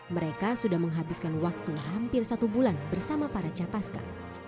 mereka sudah menghabiskan waktu hampir satu bulan bersama para capaska